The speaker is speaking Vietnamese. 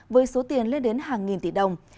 với số tiền lên đến hàng nghìn tỷ đồng